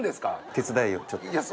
手伝いをちょっと。